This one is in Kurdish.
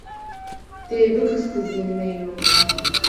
Tu yê bikûzkizînî neynokan.